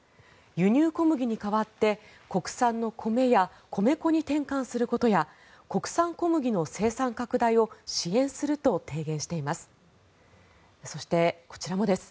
輸入小麦に代わって国産の米や米粉に転換することや国産小麦の生産拡大を支援すると提言しています。